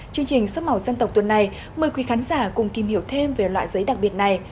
chương trình sắp màu dân tộc tuần này mời quý khán giả cùng tìm hiểu thêm về loại giấy đặc biệt này